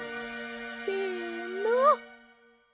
せの。